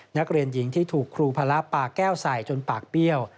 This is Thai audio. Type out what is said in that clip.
นักเรียนหญิงที่ถูกครูพระปาแก้วใส่จนปากเปรี้ยว